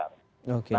jalan tol akan lancar